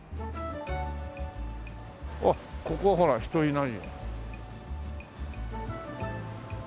あっここはほら人いないよ。